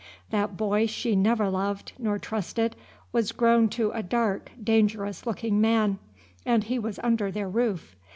That boy she never loved nor trusted was grown to a dark, dangerous looking man, and he was under their roof.